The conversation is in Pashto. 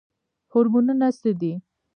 هورمونونه څه دي؟